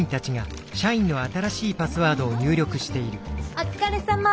お疲れさま。